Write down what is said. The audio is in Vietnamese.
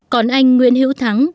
còn anh nguyễn hữu thắng